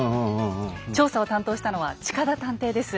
調査を担当したのは近田探偵です。